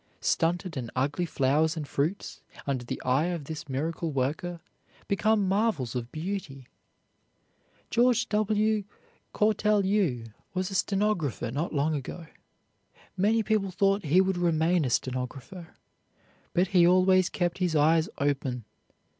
Stunted and ugly flowers and fruits, under the eye of this miracle worker, become marvels of beauty. George W. Cortelyou was a stenographer not long ago. Many people thought he would remain a stenographer, but he always kept his eyes open.